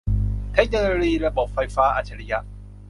เทคโนโลยีระบบไฟฟ้าอัจฉริยะ